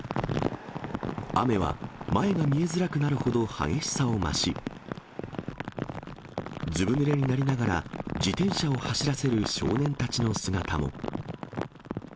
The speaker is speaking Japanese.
雨は前が見えづらくなるほど激しさを増し、ずぶぬれになりながら、自転車を走らせる少年たちの姿も。